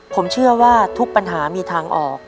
ผมเชื่อว่าทุกปัญหามีทางออก